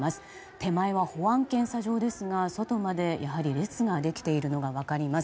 手前は保安検査場ですが外まで列ができているのが分かります。